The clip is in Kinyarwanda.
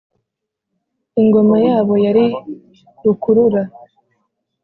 ingoma yabo yari rukurura.